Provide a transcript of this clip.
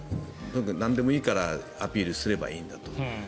なんでもいいからアピールすればいいんだと。